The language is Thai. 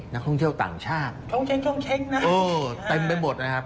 นักท่องเที่ยวต่างชาติท่องเช็คท่องเช็คท่องเช็คนะโอ้โหเต็มไปหมดนะครับ